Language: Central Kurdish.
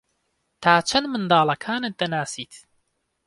تا چەند منداڵەکانت دەناسیت؟